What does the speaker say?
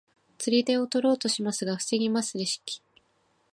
釣り手を取ろうとしますが防ぎますレシキ。